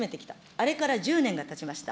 あれから１０年がたちました。